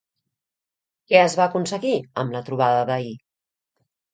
Què es va aconseguir en la trobada d'ahir?